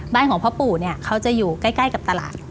บ้านของพ่อปู่เขาจะอยู่ใกล้กับตลาด